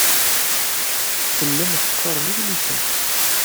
Tellam teqqarem idlisen.